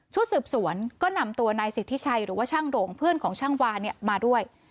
สืบสวนก็นำตัวนายสิทธิชัยหรือว่าช่างโด่งเพื่อนของช่างวาเนี่ยมาด้วย